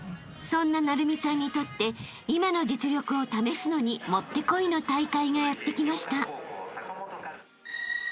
［そんな晟弓さんにとって今の実力を試すのに持ってこいの大会がやって来ました］